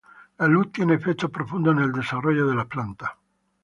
La luz tiene efectos profundos en el desarrollo de las plantas.